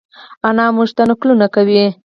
انا مونږ ته نقلونه کوی